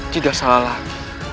tidak salah lagi